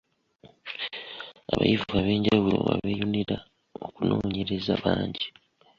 Abayivu ab’enjawulo abeeyunira okunoonyereza bangi.